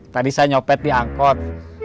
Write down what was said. tadi saya nyopet di angkot